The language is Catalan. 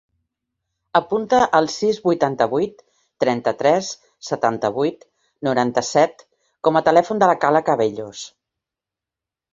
Apunta el sis, vuitanta-vuit, trenta-tres, setanta-vuit, noranta-set com a telèfon de la Kala Cabellos.